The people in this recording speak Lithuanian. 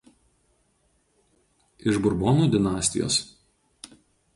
Iš Burbonų dinastijos.